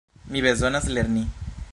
Vi bezonas lerni.